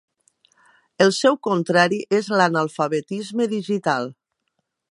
El seu contrari és l'analfabetisme digital.